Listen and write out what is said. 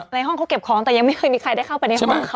ในห้องเขาเก็บของแต่ยังไม่เคยมีใครได้เข้าไป